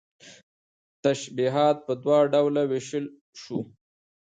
تشبيهات په دوه ډوله ويشلى شو